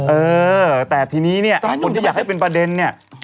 เออแต่ทีนี้เนี่ยคนที่อยากให้เป็นประเด็นเนี่ย